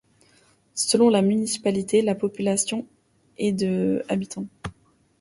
Selon la municipalité, la population est de habitants.